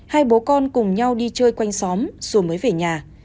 hai bố con cùng nhau đi chơi quanh xóm rồi mới về nhà